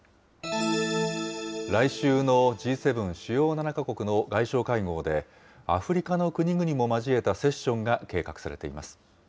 来週のＧ７・主要７か国の外相会合で、アフリカの国々も交えたセッションが計画されています。